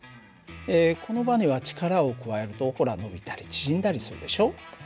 このばねは力を加えるとほら伸びたり縮んだりするでしょ。